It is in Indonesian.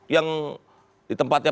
yang di tempatnya